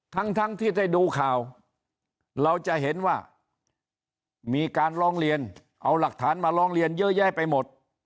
ทั้งที่ได้ดูข่าวเราจะเห็นว่ามีการร้องเรียนเอาหลักฐานมาร้องเรียนเยอะแยะไปหมด